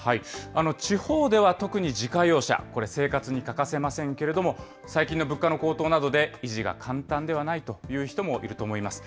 地方では特に自家用車、これ、生活に欠かせませんけれども、最近の物価の高騰などで、維持が簡単ではないという人もいると思います。